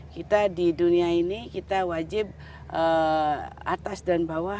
kita di dunia ini kita wajib atas dan bawah